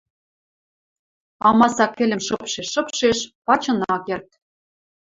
Амаса кӹлым шыпшеш-шыпшеш, пачын ак керд.